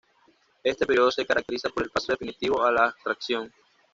Este periodo se caracteriza por el paso definitivo a la abstracción.